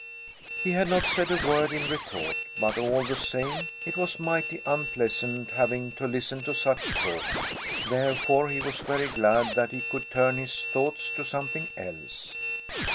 He had not said a word in retort, but all the same it was mighty unpleasant having to listen to such talk; therefore he was very glad that he could turn his thoughts to something else.